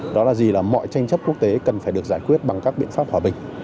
đó là gì là mọi tranh chấp quốc tế cần phải được giải quyết bằng các biện pháp hòa bình